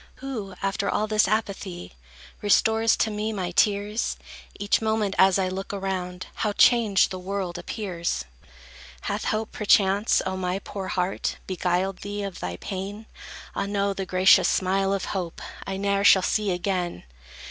Who, after all this apathy, Restores to me my tears? Each moment, as I look around, How changed the world appears! Hath hope, perchance, O my poor heart, Beguiled thee of thy pain? Ah, no, the gracious smile of hope I ne'er shall see again.